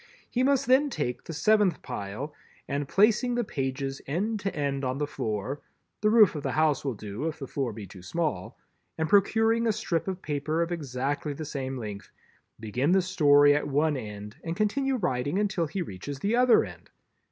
He must then take the seventh pile and placing the pages end to end on the floor—the roof of the house will do if the floor be too small—and procuring a strip of paper of exactly the same length, begin the Story at one end and continue writing until he reaches the other end.